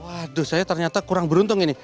waduh saya ternyata kurang beruntung ini